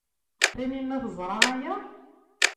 Taninna teẓra aya?